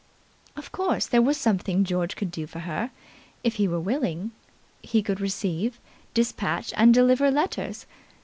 Of course there was something George could do for her if he were willing. He could receive, despatch and deliver letters.